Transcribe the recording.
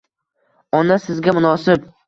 Ona, sizga munosib